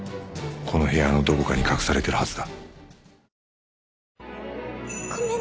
この部屋のどこかに隠されてるはずだ